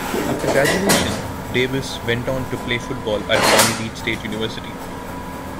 After graduation, Davis went on to play football at Long Beach State University.